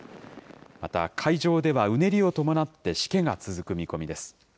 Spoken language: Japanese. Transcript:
また海上ではうねりを伴ってしけが続く見込みです。